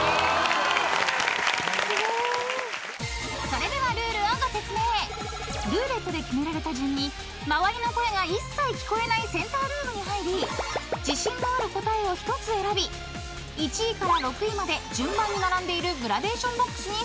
［それではルールをご説明］［ルーレットで決められた順に周りの声が一切聞こえないセンタールームに入り自信がある答えを１つ選び１位から６位まで］